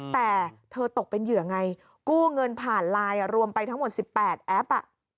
แต่เธอตกเป็นเหยื่อไงกู้เงินผ่านไลน์รวมไปทั้งหมด๑๘แอป